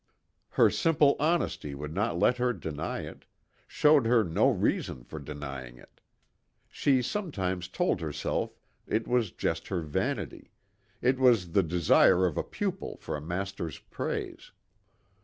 Her simple honesty would not let her deny it showed her no reason for denying it. She sometimes told herself it was just her vanity; it was the desire of a pupil for a master's praise.